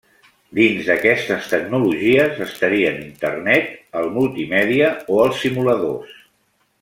Dins d'aquestes tecnologies estarien Internet, el multimèdia o els simuladors.